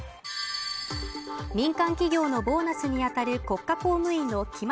民間企業のボーナスにあたる国家公務員の期末